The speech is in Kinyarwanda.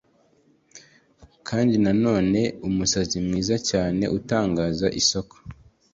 Kandi na none umusazi mwiza cyane utangaza Isoko